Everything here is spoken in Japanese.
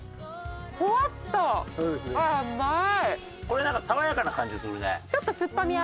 これなんか爽やかな感じするね。